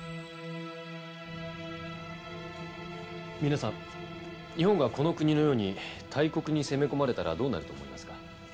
皆さん日本がこの国のように大国に攻め込まれたらどうなると思いますか？